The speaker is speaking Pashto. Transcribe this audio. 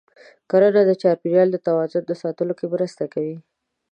کرنه د چاپېریال د توازن ساتلو کې مرسته کوي.